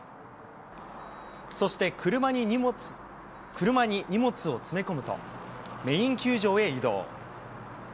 そして車に荷物を詰め込むと、メイン球場へ移動。